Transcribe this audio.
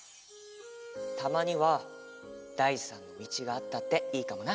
たまにはだい３のみちがあったっていいかもな。